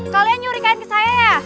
kalian nyurikain ke saya